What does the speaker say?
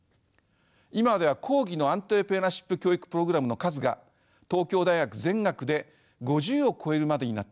今では講義のアントレプレナーシップ教育プログラムの数が東京大学全学で５０を超えるまでになっています。